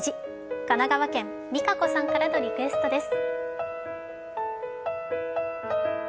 神奈川県、みかこさんからのリクエストです。